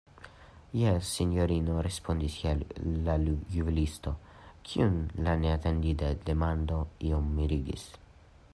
Jes, sinjorino, respondis la juvelisto, kiun la neatendita demando iom mirigis.